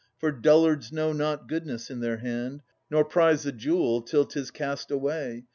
For dullards know not goodness in their hand. Nor prize the jewel till 'tis cast away.